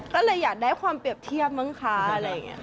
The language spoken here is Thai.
ก็เลยอยากได้ความเปรียบเทียบมั้งคะอะไรอย่างนี้ค่ะ